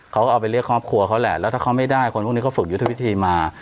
เขาก็เอาไปเรียกครอบครัวเขาแหละแล้วถ้าเขาไม่ได้คนพวกนี้เขาฝึกยุทธวิธีมา